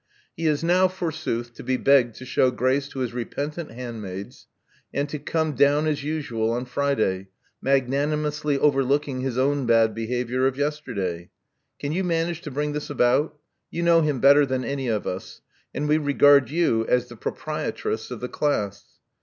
He is now, forsooth, to be begged to shew grace to his repentant handmaids, and to come down as usual on Friday, magnanimously overlooking his own bad behavior of yesterday. Can you manage to bring this about. You know him better than any of us; and we regard you as the proprietress of the class.